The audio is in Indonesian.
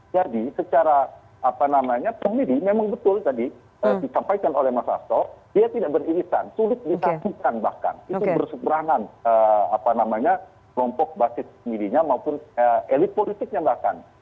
jadi secara pemilih memang betul tadi disampaikan oleh mas astok dia tidak beririsan sulit ditakjubkan bahkan itu berseberangan kelompok basis pemilihnya maupun elit politiknya bahkan